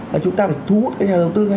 là chúng ta phải thu hút cái nhà đầu tư ra